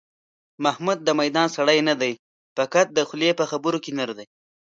محمود د میدان سړی نه دی، فقط د خولې په خبرو کې نر دی.